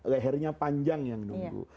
lehernya panjang yang nunggu